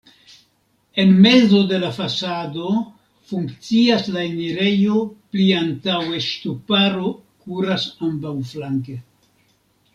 En mezo de la fasado funkcias la enirejo, pli antaŭe ŝtuparo kuras ambaŭflanke.